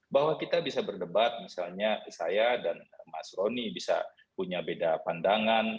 bahwa kita bisa berdebat misalnya saya dan mas roni bisa punya beda pandangan